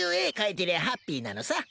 てりゃハッピーなのさ。